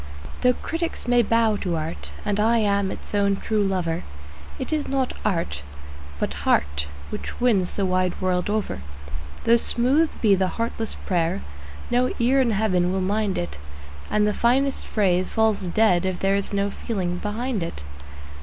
Though critics may bow to art, and I am its own true lover, It is not art, but heart, which wins the wide world over. Though smooth be the heartless prayer, no ear in Heaven will mind it, And the finest phrase falls dead if there is no feeling behind it.